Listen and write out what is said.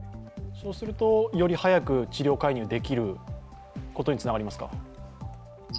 そうするとより早く治療介入できることにつながりますか。